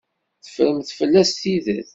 Teffremt fell-as tidet.